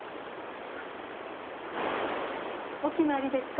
お決まりですか？